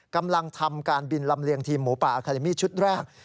กำลังทำการบินลำเลียงทีมหมูป่าอาคาเลมี่ชุดแรก